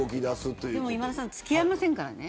でも今田さん付き合えませんからね。